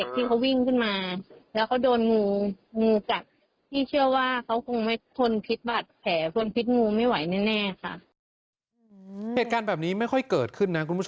แต่ถ้าวันหนึ่งเป็นเด็กที่เค้าวิ่งขึ้นมา